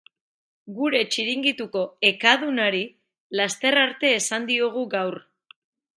Gure txiringituko ekadunari laster arte esan diogu gaur.